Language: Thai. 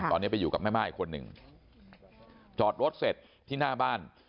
ตอนนี้ไปอยู่กับแม่ม่ายอีกคนหนึ่งจอดรถเสร็จที่หน้าบ้าน